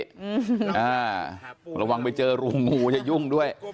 อ่าระวังไปเจอรุมงูอย่ายุ่งด้วย